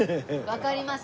わかります。